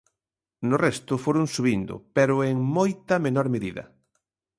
No resto foron subindo, pero en moita menor medida.